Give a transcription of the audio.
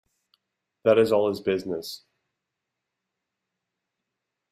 That is all his business.